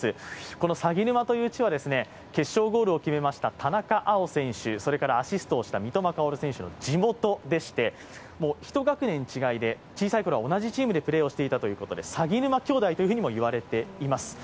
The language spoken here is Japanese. この鷺沼という地は決勝ゴールを決めました田中碧選手、アシストをした三笘薫選手の地元でして、一学年違いで小さいころは同じチームでプレーをしていたということで鷺沼兄弟というふうにも言われています。